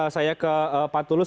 saya ke pak tulus